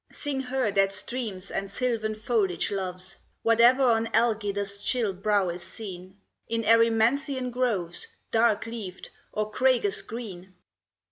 Sing her that streams and silvan foliage loves, Whate'er on Algidus' chill brow is seen, In Erymanthian groves Dark leaved, or Cragus green.